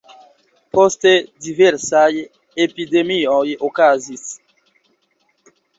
Poste diversaj epidemioj okazis.